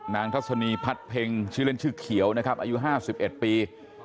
นางทัศนีพัดเพ็งชื่อเล่นชื่อเขียวนะครับอายุห้าสิบเอ็ดปี